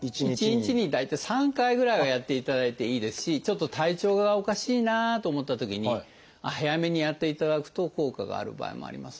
１日に大体３回ぐらいはやっていただいていいですしちょっと体調がおかしいなと思ったときに早めにやっていただくと効果がある場合もありますので。